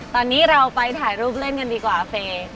ตอนนี้เราไปถ่ายรูปเล่นกันดีกว่าเฟย์